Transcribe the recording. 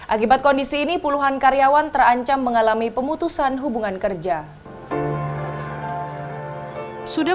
akibat kondisi ini puluhan karyawan terancam mengalami pemutusan hubungan kerja